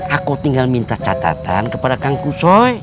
aku tinggal minta catatan kepada kangkusoy